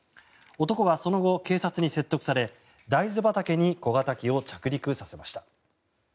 男はその後、警察に説得され大豆畑に小型機を着陸させました。